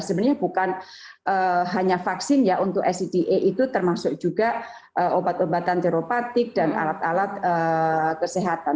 sebenarnya bukan hanya vaksin ya untuk scta itu termasuk juga obat obatan teropatik dan alat alat kesehatan